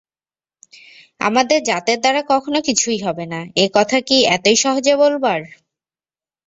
আমাদের জাতের দ্বারা কখনো কিছুই হবে না, এ কথা কি এতই সহজে বলবার?